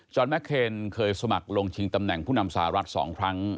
แมคเคนเคยสมัครลงชิงตำแหน่งผู้นำสหรัฐ๒ครั้ง